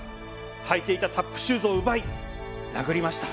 履いていたタップシューズを奪い殴りました。